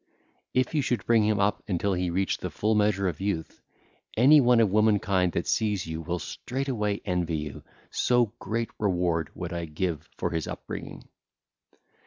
If you should bring him up until he reach the full measure of youth, any one of womankind that sees you will straightway envy you, so great reward would I give for his upbringing.